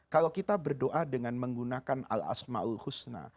kalau kita berdoa dengan menggunakan al asma'ul husna